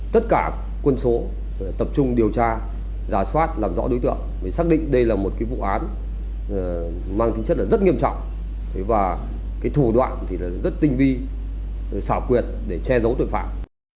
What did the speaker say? tất cả quân số tập trung điều tra giả soát làm rõ đối tượng xác định đây là một vụ án mang tính chất là rất nghiêm trọng và cái thủ đoạn thì rất tinh vi xảo quyệt để che giấu tội phạm